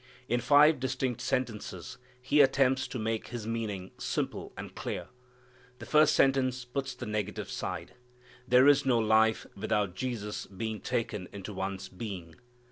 In five distinct sentences He attempts to make His meaning simple and clear. The first sentence puts the negative side: there is no life without Jesus being taken into one's being.